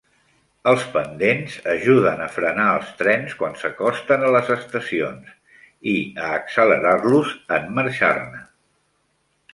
Els pendents ajuden a frenar els trens quan s'acosten a les estacions i a accelerar-los en marxar-ne.